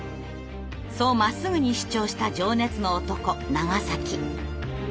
そうまっすぐに主張した情熱の男長。